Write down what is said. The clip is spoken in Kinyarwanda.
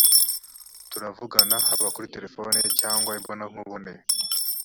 turavugana haba kuri telefoni cyangwa imbonankubone